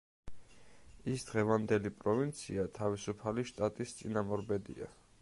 ის დღევანდელი პროვინცია თავისუფალი შტატის წინამორბედია.